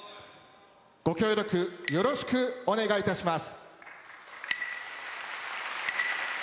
ご協力よろしくお願いいたします。